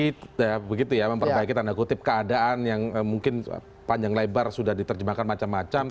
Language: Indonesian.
intinya untuk memperbaiki tanda kutip keadaan yang mungkin panjang lebar sudah diterjemahkan macam macam